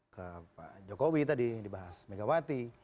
ke pak jokowi tadi dibahas megawati